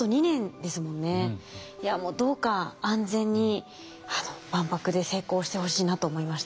いやもうどうか安全に万博で成功してほしいなと思いました。